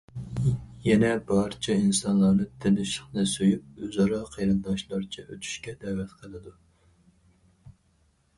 يەنى بارچە ئىنسانلارنى تىنچلىقنى سۆيۈپ، ئۆزئارا قېرىنداشلارچە ئۆتۈشكە دەۋەت قىلىدۇ.